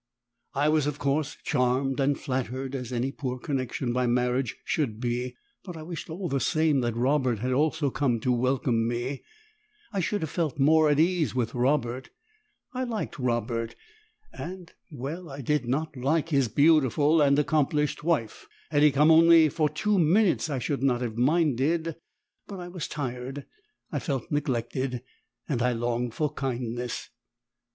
I was of course charmed and flattered, as any poor connection by marriage should be, but I wished all the same that Robert had also come to welcome me, I should have felt more at ease with Robert! I liked Robert, and well, I did not like his beautiful and accomplished wife. Had he come only for two minutes I should not have minded, but I was tired, I felt neglected, and I longed for kindness.